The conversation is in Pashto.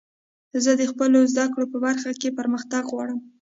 زه د خپلو زدکړو په برخه کښي پرمختګ غواړم.